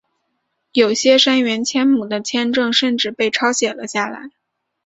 有些杉原千亩的签证甚至被抄写了下来。